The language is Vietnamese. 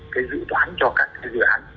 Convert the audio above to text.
cái dự đoán cho các dự án